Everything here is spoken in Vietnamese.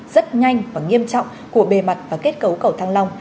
rất nhanh và nghiêm trọng của bề mặt và kết cấu cầu thăng long